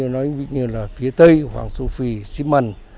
nói như là phía tây hoàng sô phi xí mần